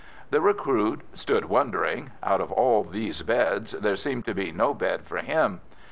The recruit stood wondering out of all these beds, there seemed to be no bed for him.